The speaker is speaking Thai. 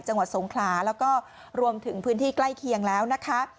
จังหวัดสงขลาแล้วก็รวมถึงพื้นที่ใกล้เคียงแล้วนะคะ